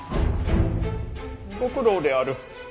ご苦労である。